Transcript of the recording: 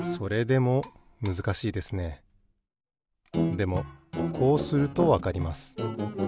でもこうするとわかります。